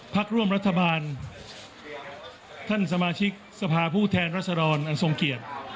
พักร่วมรัฐบาลท่านสมาชิกสภาผู้แทนรัศดรอันทรงเกียรติ